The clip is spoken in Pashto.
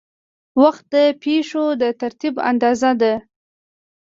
وخت د پېښو د ترتیب اندازه ده.